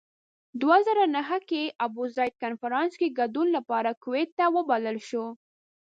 دوه زره نهه کې ابوزید کنفرانس کې ګډون لپاره کویت ته وبلل شو.